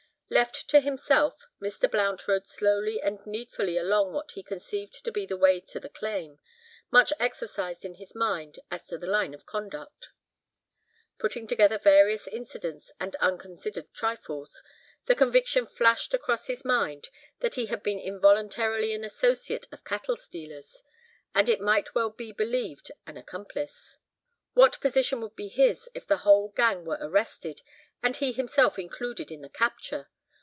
Left to himself, Mr. Blount rode slowly and heedfully along what he conceived to be the way to the claim, much exercised in his mind as to his line of conduct. Putting together various incidents and unconsidered trifles, the conviction flashed across his mind that he had been involuntarily an associate of cattle stealers, and it might well be believed an accomplice. What position would be his if the whole gang were arrested, and he himself included in the capture?